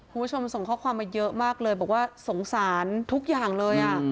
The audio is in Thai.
คุณผู้ชมส่งข้อความมาเยอะมากเลยบอกว่าสงสารทุกอย่างเลย